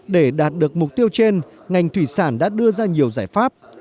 để đạt được mục tiêu trên ngành thủy sản đã đưa ra nhiều giải pháp